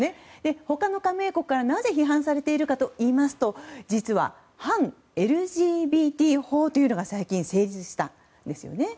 他の加盟国は、なぜ批判されているかといいますと実は、反ＬＧＢＴ法というのが最近成立したんですね。